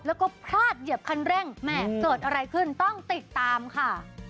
แล้วก็พลาดเหยียบคันเร่งแม่เกิดอะไรขึ้นต้องติดตามค่ะ